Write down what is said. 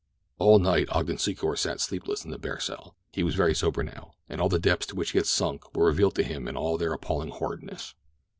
All night Ogden Secor sat sleepless in his bare cell. He was very sober now, and the depths to which he had sunk were revealed to him in all their appalling horridness.